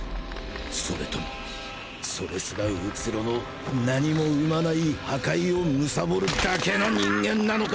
それともそれすら虚ろの何も生まない破壊を貪るだけの人間なのか！？